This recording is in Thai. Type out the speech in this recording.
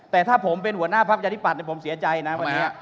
แต่ถ้าผมเป็นหัวหน้าพักประชาธิปัตย์ผมเสียใจนะวันนี้